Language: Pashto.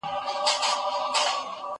په نارو سول په تحسين سول اولسونه